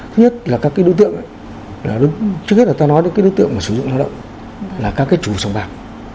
thứ nhất là các cái đối tượng trước hết là ta nói đến cái đối tượng mà sử dụng hoạt động là các cái chủ sổng bạc